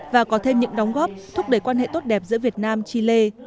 và có thêm những đóng góp thúc đẩy quan hệ tốt đẹp giữa việt nam chile